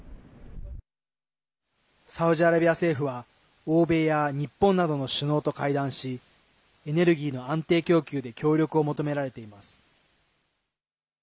サウジアラビア政府は欧米や日本などの首脳と会談しエネルギーの安定供給で協力を求められています。